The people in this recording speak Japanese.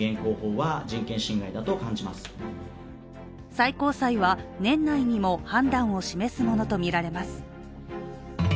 最高裁は年内にも判断を示すものとみられます。